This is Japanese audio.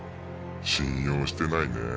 「信用してないね。